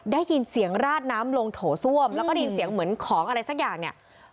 ได้ยินเสียงราดน้ำลงโถส้วมแล้วก็ได้ยินเสียงเหมือนของอะไรสักอย่างเนี่ย